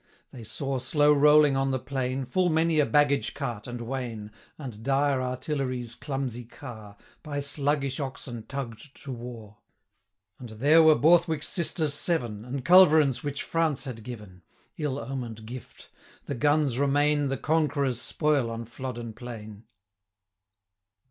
They saw, slow rolling on the plain, Full many a baggage cart and wain, And dire artillery's clumsy car, 555 By sluggish oxen tugg'd to war; And there were Borthwick's Sisters Seven, And culverins which France had given. Ill omen'd gift! the guns remain The conqueror's spoil on Flodden plain.